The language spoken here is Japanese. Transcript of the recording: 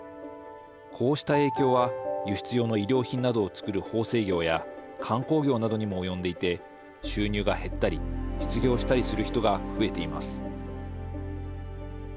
こうした影響は輸出用の衣料品などを作る縫製業や観光業などにも及んでいて収入が減ったり失業したりする人が増えています。